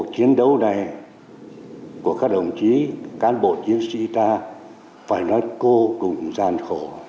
của các đồng chí cán bộ chiến sĩ ta phải nói cô cùng gian khổ